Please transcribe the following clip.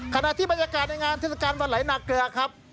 ขณะที่บรรยากาศในงานเทศกาลวันไหลนาเกลือครับ